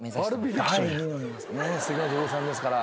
すてきな女優さんですから。